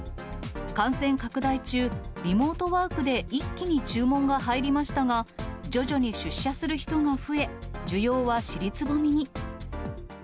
感染拡大中、リモートワークで一気に注文が入りましたが、徐々に出社する人が増え、需要は尻すぼみに。